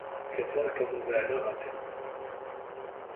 كفاكَ مبالغة.